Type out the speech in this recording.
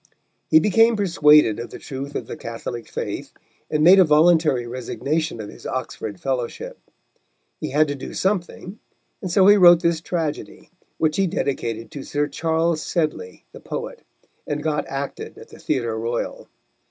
He became persuaded of the truth of the Catholic faith, and made a voluntary resignation of his Oxford fellowship. He had to do something, and so he wrote this tragedy, which he dedicated to Sir Charles Sedley, the poet, and got acted at the Theatre Royal.